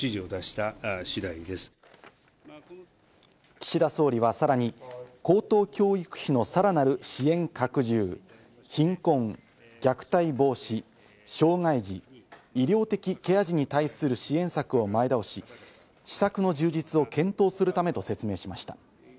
岸田総理はさらに、高等教育費のさらなる支援拡充、貧困、虐待防止、障害児、医療的ケア児に対する支援策を前倒し、施策の充実を検討するためと説明しました。